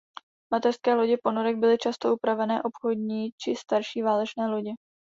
Mateřské lodě ponorek byly často upravené obchodní či starší válečné lodě.